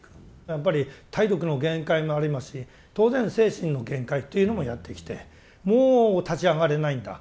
やっぱり体力の限界もありますし当然精神の限界というのもやってきてもう立ち上がれないんだ